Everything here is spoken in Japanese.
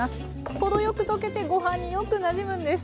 程よく溶けてご飯によくなじむんです。